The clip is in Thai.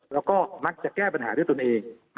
แล้วก็มักจะแก้ปัญหาด้วยตนเอง